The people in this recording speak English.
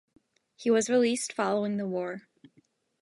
He was released following the war.